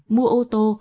mua ô tô